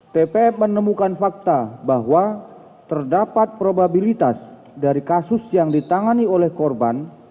tpf menemukan fakta bahwa terdapat probabilitas dari kasus yang ditangani oleh korban